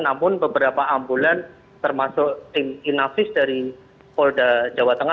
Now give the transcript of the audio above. namun beberapa ambulans termasuk tim inafis dari polda jawa tengah dan lapor forensik makbis polri tata semarang juga memasuki